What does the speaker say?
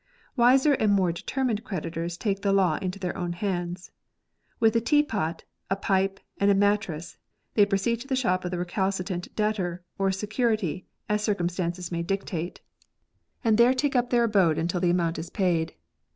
Wiser and more determined creditors take the law into their own hands. With a tea pot, a pipe, and a mattress, they proceed to the shop of the recalcitrant debtor or security as circumstances may dictate, and LOAN SOCIETIES. 47 there take up their abode until the amount is paid.